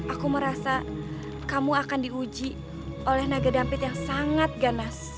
aku merasa kamu akan diuji oleh naga dampit yang sangat ganas